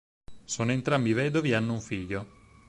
Sono entrambi vedovi e hanno un figlio.